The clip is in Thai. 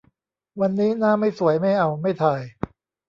วันนี้หน้าไม่สวย ไม่เอา ไม่ถ่าย